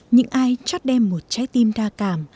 những ai chắc đem một trái tim đa cảm